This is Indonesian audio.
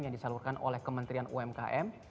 yang disalurkan oleh kementerian umkm